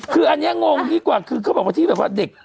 คืออันนี้งงดีกว่าคือเขาบอกว่าที่แบบว่าเด็ก